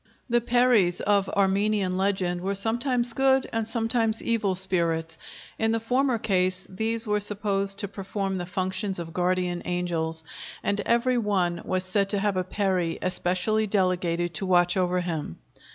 The peris of Armenian legend were sometimes good and sometimes evil spirits; in the former case these were supposed to perform the functions of guardian angels, and every one was said to have a peri especially delegated to watch over him.